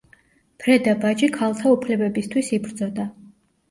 ფრედა ბაჯი ქალთა უფლებებისთვის იბრძოდა.